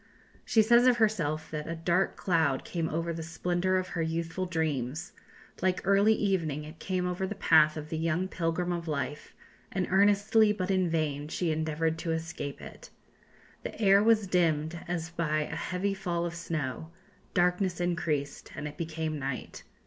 She says of herself that "a dark cloud came over the splendour of her youthful dreams; like early evening it came over the path of the young pilgrim of life, and earnestly, but in vain, she endeavoured to escape it. The air was dimmed as by a heavy fall of snow; darkness increased and it became night.